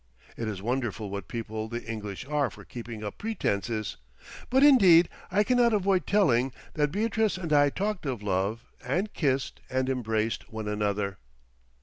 It is wonderful what people the English are for keeping up pretences. But indeed I cannot avoid telling that Beatrice and I talked of love and kissed and embraced one another.